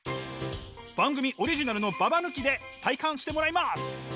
番組オリジナルのババ抜きで体感してもらいます。